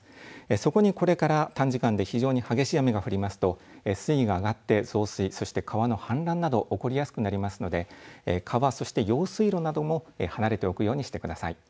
そこにこれから短時間で非常に激しい雨が降りますと水位が上がって増水、そして川の氾濫など起こりやすくなりますので、川、そして用水路なども離れておくようにしてください。